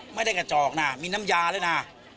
ไม่ได้กระจอกนะมีน้ำยาด้วยนะ